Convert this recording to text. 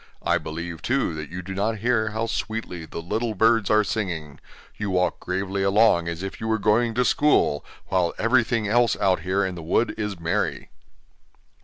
I believe, too, that you do not hear how sweetly the little birds are singing; you walk gravely along as if you were going to school, while everything else out here in the wood is merry.